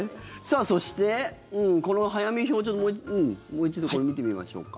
そして、この早見表もう一度見てみましょうか。